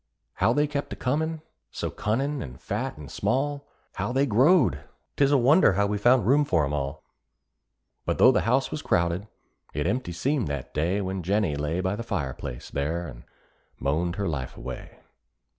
How they kept a comin', so cunnin' and fat and small! How they growed! 'twas a wonder how we found room for 'em all; But though the house was crowded, it empty seemed that day When Jennie lay by the fire place, there, and moaned her life away.